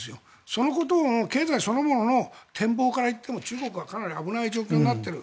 そのことを経済そのものの展望から言っても中国はかなり危ない状況になっている。